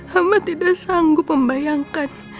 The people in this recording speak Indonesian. hamba tidak sanggup membayangkan